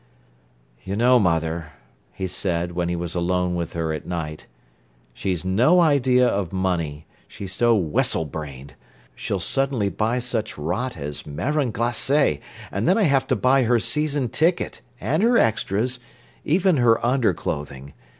"You know, mother," he said, when he was alone with her at night, "she's no idea of money, she's so wessel brained. When she's paid, she'll suddenly buy such rot as marrons glacés, and then I have to buy her season ticket, and her extras, even her underclothing.